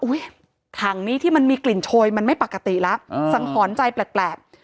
ถังนี้ที่มันมีกลิ่นโชยมันไม่ปกติแล้วสังหรณ์ใจแปลก